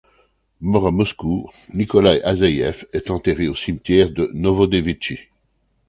Mort à Moscou Nikolaï Asseïev est enterré au cimetière de Novodevitchi.